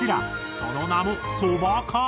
その名も「そば唐」。